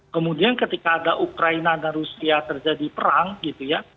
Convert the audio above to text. kemudian ketika ada ukraina dan rusia terjadi perang gitu ya